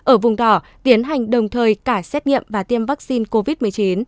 ở vùng đỏ tiến hành đồng thời cả xét nghiệm và tiêm vaccine covid một mươi chín